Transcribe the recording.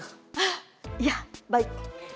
hah ya baik